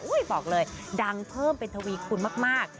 บอกเลยดังเพิ่มเป็นทวีคุณมาก